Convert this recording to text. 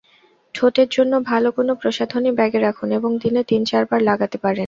ঠোঁটের জন্য ভালো কোনো প্রসাধনী ব্যাগে রাখুন এবং দিনে তিন-চারবার লাগাতে পারেন।